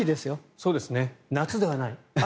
夏ではない、秋。